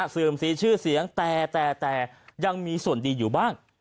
สีชื่อเสียงแต่แต่ยังมีส่วนดีอยู่บ้าง